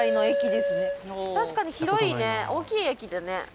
確かに広いね大きい駅だね。